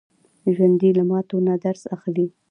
ژوندي له ماتو نه درس اخلي